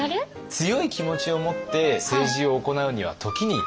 強い気持ちを持って政治を行うには時に聞き流す。